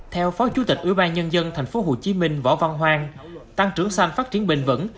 theo phó chủ tịch ubnd tp hcm võ văn hoang tăng trưởng xanh phát triển bền vững